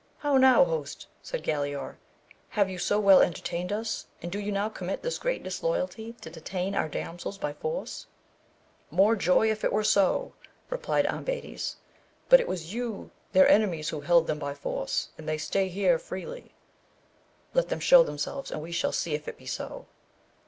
How now host ? said Galaor, have you so well entertained us, and do you now commit this great disloyalty to detain our damsels by force ? More joy if it were so, replied Am bades, but it was you their enemies who held them by force, and they stay here freely. — ^Let them show themselves and we shall see if it be so.